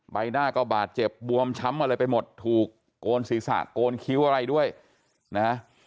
ใบหน้าก็บาดเจ็บบวมช้ำอะไรไปหมดถูกโกนศีรษะโกนคิ้วอะไรด้วยนะ